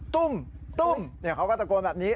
ตุ้มตุ้มเขาก็ตะโกนแบบนี้